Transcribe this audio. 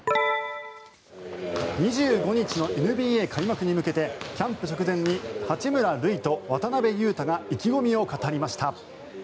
２５日のＮＢＡ開幕に向けてキャンプ直前に八村塁と渡邊雄太が意気込みを語りました。